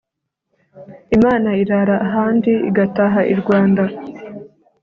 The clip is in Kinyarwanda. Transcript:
Imana irara ahandi igataha i Rwanda.